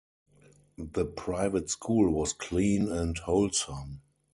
The private school was clean and wholesome.